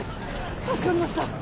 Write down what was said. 助かりました！